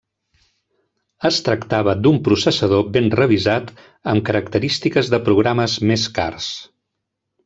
Es tractava d'un processador ben revisat amb característiques de programes més cars.